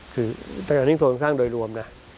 คือแต่อย่างนี้โครงสร้างโดยรวม